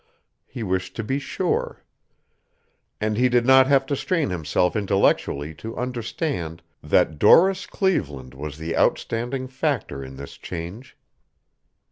He wished to be sure. And he did not have to strain himself intellectually to understand that Doris Cleveland was the outstanding factor in this change.